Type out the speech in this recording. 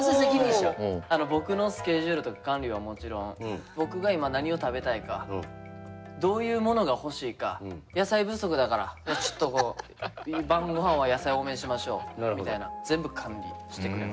僕のスケジュールとか管理はもちろん僕が今何を食べたいかどういうものが欲しいか野菜不足だからちょっとこう晩ごはんは野菜多めにしましょうみたいな全部管理してくれます。